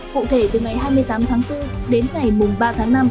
cụ thể từ ngày hai mươi tám tháng bốn đến ngày ba tháng năm